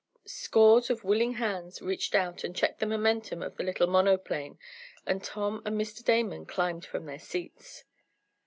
Scores of willing hands reached out, and checked the momentum of the little monoplane, and Tom and Mr. Damon climbed from their seats.